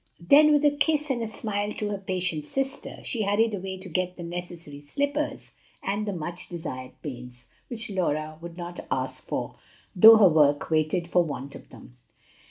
Then, with a kiss and a smile to her patient sister, she hurried away to get the necessary slippers and the much desired paints, which Laura would not ask for, though her work waited for want of them.